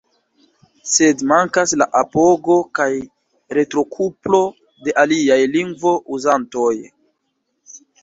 Sed mankas la apogo kaj retrokuplo de aliaj lingvo-uzantoj.